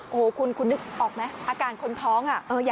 โอ้โหคุณนึกออกมั้ยอาการคนท้องอ่ะ